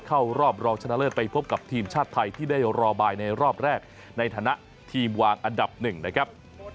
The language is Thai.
เข้ารอบรองชนะเลิศไปพบกับทีมชาติไทยที่ได้รอบายในรอบแรกในฐานะทีมวางอันดับหนึ่งนะครับ